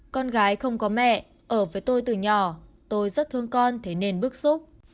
con gái không có mẹ ở với tôi từ nhỏ tôi rất thương con thấy nên bức xúc